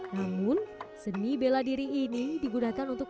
namun seni bela diri ini digunakan untuk